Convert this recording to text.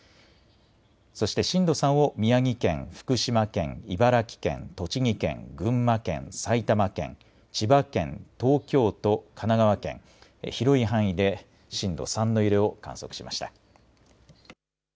そして震度３を宮城県、福島県、茨城県、栃木県、群馬県、埼玉県、千葉県、東京都、神奈川県、広い範囲で震度３の揺れを観測しました。